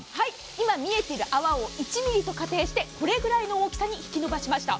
今見えている泡を１ｍｍと仮定してこれぐらいの大きさに引き伸ばしました。